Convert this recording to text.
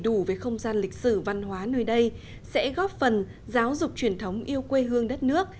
đầy đủ về không gian lịch sử văn hóa nơi đây sẽ góp phần giáo dục truyền thống yêu quê hương đất nước